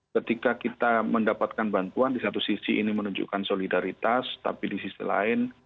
ketika kita mendapatkan bantuan di satu sisi ini menunjukkan solidaritas tapi di sisi lain